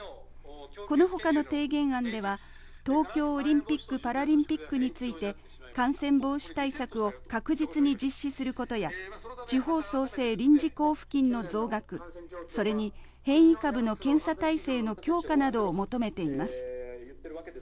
このほかの提言案では、東京オリンピック・パラリンピックについて、感染防止対策を確実に実施することや、地方創生臨時交付金の増額、それに変異株の検査体制の強化などを求めています。